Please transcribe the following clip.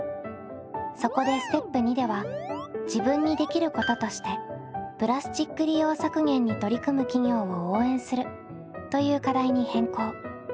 そこでステップ②では自分にできることとしてプラスチック利用削減に取り組む企業を応援するという課題に変更。